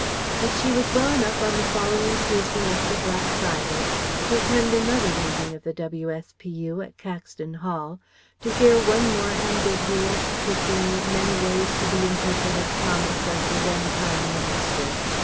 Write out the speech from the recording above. But she was well enough on the following Tuesday after Black Friday to attend another meeting of the W.S.P.U. at Caxton Hall, to hear one more ambiguous, tricky, many ways to be interpreted promise of the then Prime Minister.